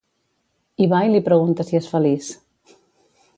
I va i li pregunta si és feliç